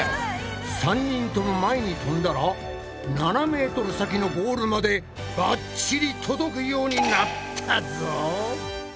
３人とも前にとんだら７ｍ先のゴールまでバッチリ届くようになったぞ！